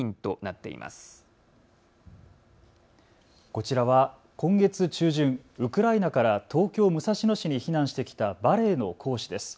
こちらは今月中旬、ウクライナから東京武蔵野市に避難してきたバレエの講師です。